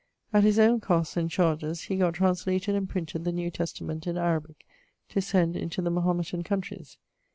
At his owne costs and chardges he gott translated and printed the New Testament in Arabique[BA], to send into the Mahometan countreys.